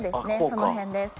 その辺です。